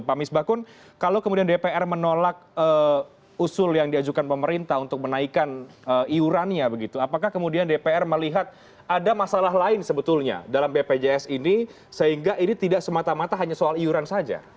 pak misbakun kalau kemudian dpr menolak usul yang diajukan pemerintah untuk menaikkan iurannya begitu apakah kemudian dpr melihat ada masalah lain sebetulnya dalam bpjs ini sehingga ini tidak semata mata hanya soal iuran saja